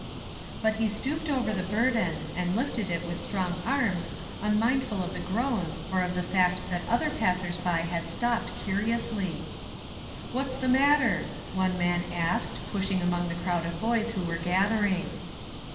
But he stooped over the burden and lifted it with strong arms, unmindful of the groans, or of the fact that other passers by had stopped curiously. "What's the matter?" one man asked, pushing among the crowd of boys who were gathering.